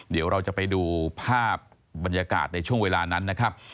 เดี๋ยวเราจะไปดูภาพบรรยากาศในช่วงเวลานั้นนะครับ